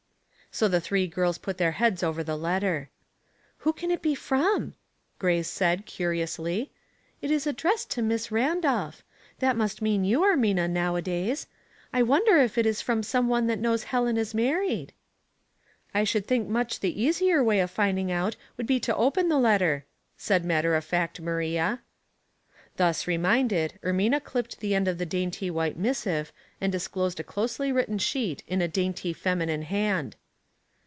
So the three girls put their heads over the letter. '" Who can it be from? " Grace said, curiously. *' It is addressed to Miss Randolph. That must mean you, Ermina, nowadays. I wonder if it is frcm some one that knows Helen is married?'* " I should think much the easier way of find ing out would be to open the letter,*' said matter of fact Maria. Thus reminded, Ermina clipped the end of the dainty white missive, and disclosed a closely written sheet in a dainty feminine hand.